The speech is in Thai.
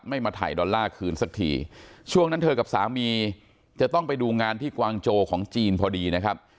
มาถ่ายดอลลาร์คืนสักทีช่วงนั้นเธอกับสามีจะต้องไปดูงานที่กวางโจของจีนพอดีนะครับ